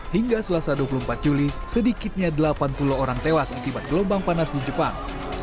hingga selasa dua puluh empat juli sedikitnya delapan puluh orang tewas akibat gelombang panas di jepang